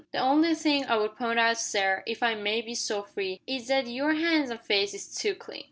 The only think I would point out, sir, if I may be so free, is that your 'ands an' face is too clean."